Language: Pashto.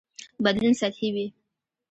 بدلون سطحي وي.